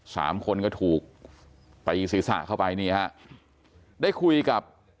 สามคนก็ถูกตีศีรษะเข้าไปนี่ฮะได้คุยกับ